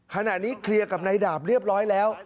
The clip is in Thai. ขณะนี้เคลียร์กับนายดาบเรียบร้อยแล้ว